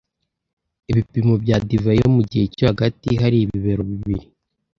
Ibipimo bya divayi yo mu gihe cyo hagati hari ibibero bibiri